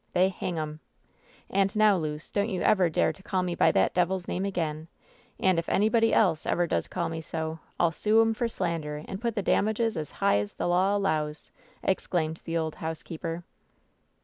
They hang 'em. And now, Luce, don't you ever dare to call me by that devil's name WHEN SHADOWS DIE «88 again ! And if anybody else ever does call me so, I'll sue 'em for slander and put the damages as high as the law allows I" exclaimed the housekeeper.